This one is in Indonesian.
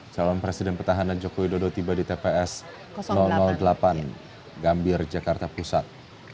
calon presiden petahana jokowi dodo tiba di tps delapan gambir jakarta pusat